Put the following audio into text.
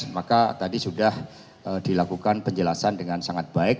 maka tadi sudah dilakukan penjelasan dengan sangat baik